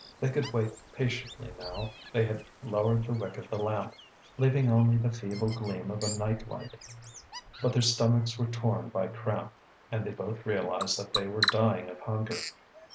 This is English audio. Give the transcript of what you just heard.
They could wait patiently now; they had lowered the wick of the lamp, leaving only the feeble gleam of a night light. But their stomachs were torn by cramp, and they both realized that they were dying of hunger.